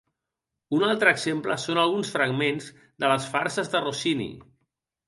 Un altre exemple són alguns fragments de les farses de Rossini.